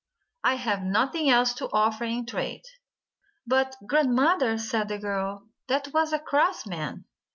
I have nothing else to offer in trade." "But, Grandmother," said the girl, "that was a cross man.